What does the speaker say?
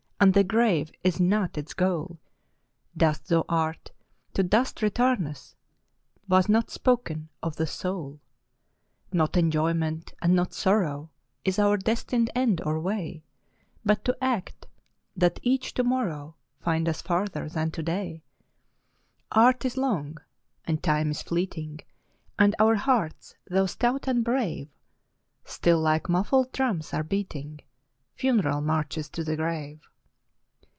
And the grave is not its goal ; Dust thou art, to dust returnest, Was not spoken of the soul. VOICES OF THE NIGHT. Not enjoyment, and not sorrow, Is our destined end or way ; But to act, that each to morrow Find us farther than to day. Art is long, and Time is fleeting, And our hearts, though stout and brave, Still, like muffled drums, are beating Funeral marches to the grave.